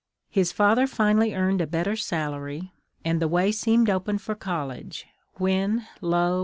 His father finally earned a better salary, and the way seemed open for college, when, lo!